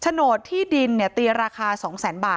จนสนิทกับเขาหมดแล้วเนี่ยเหมือนเป็นส่วนหนึ่งของครอบครัวเขาไปแล้วอ่ะ